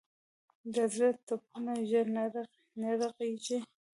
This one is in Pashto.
د زړه ټپونه ژر نه رغېږي.